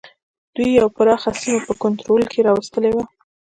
دوی یوه پراخه سیمه په کنټرول کې را وستلې وه.